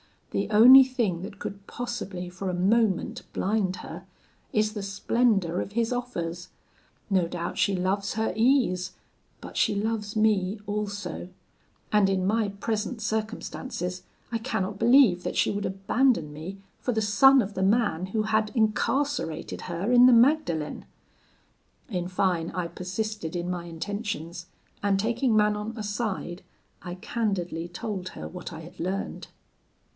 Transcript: The only thing that could possibly for a moment blind her, is the splendour of his offers; no doubt she loves her ease, but she loves me also; and in my present circumstances, I cannot believe that she would abandon me for the son of the man who had incarcerated her in the Magdalen.' In fine, I persisted in my intentions, and taking Manon aside, I candidly told her what I had learned.